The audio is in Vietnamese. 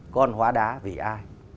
con hóa đá vì ai